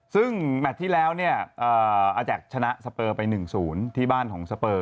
ซึ่งแมทที่แล้วเนี่ยอาแจ็คชนะสเปอร์ไป๑๐ที่บ้านของสเปอร์